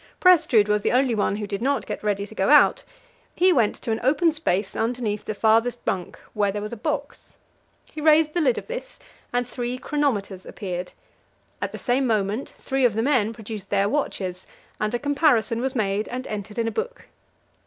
Prestrud was the only one who did not get ready to go out; he went to an open space underneath the farthest bunk, where there was a box. He raised the lid of this, and three chronometers appeared; at the same moment three of the men produced their watches, and a comparison was made and entered in a book.